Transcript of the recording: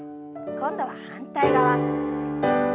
今度は反対側。